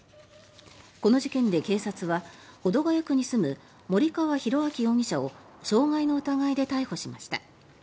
この事件で警察は保土ヶ谷区に住む森川浩昭容疑者を傷害の疑いで逮捕しました。